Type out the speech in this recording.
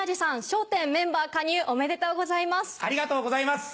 笑点メンバー加入おめでとうございます。